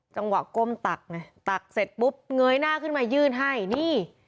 จังหวะก้มตักไงตักเสร็จปุ๊บเงยหน้าขึ้นมายื่นให้นี่